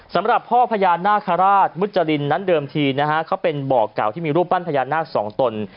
สำหรับพ่อพญานาคาราชมุจรินนั้นเดิมทีนะฮะเขาเป็นบ่อเก่าที่มีรูปปั้นพญานาคสองตน